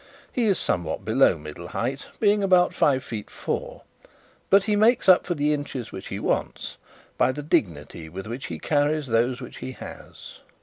He is somewhat below middle height, being about five feet four; but he makes up for the inches which he wants by the dignity with which he carries those which he has.